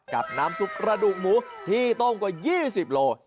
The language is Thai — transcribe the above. กับน้ำซุปกระดูกหมูที่ต้มกว่า๒๐โล